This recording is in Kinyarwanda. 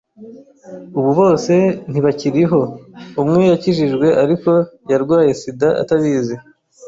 ubu bose ntibakiriho, umwe yakijijwe ariko yararwaye SIDA atabizi.